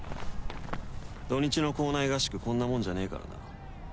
土日の校内合宿こんなもんじゃねえからな。